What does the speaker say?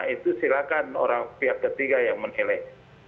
itu silahkan pihak ketiga yang menilai